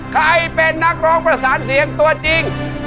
ใครเป็นนักร้องประสานเสียงตัวจริง